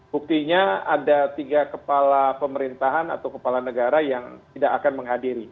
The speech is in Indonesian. buktinya ada tiga kepala pemerintahan atau kepala negara yang tidak akan menghadiri